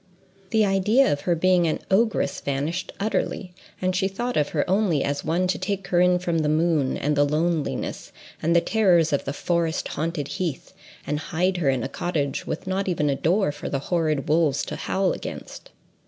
The idea of her being an ogress vanished utterly, and she thought of her only as one to take her in from the moon, and the loneliness, and the terrors of the forest haunted heath, and hide her in a cottage with not even a door for the horrid wolves to howl against.